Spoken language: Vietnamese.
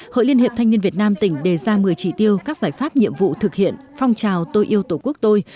hội liên hiệp thanh niên việt nam tỉnh đề ra một mươi trị tiêu các giải pháp nhiệm vụ thực hiện phong trào tôi yêu tổ quốc tôi